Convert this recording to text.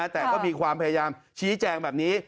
แต่ก็มีความพยายามชี้แจงแบบนี้